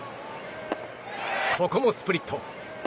ここもスプリット！